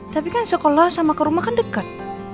tapi kan sekolah sama ke rumah kan dekat